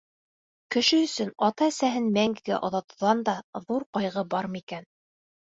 Кеше өсөн ата-әсәһен мәңгегә оҙатыуҙан да ҙур ҡайғы бармы икән?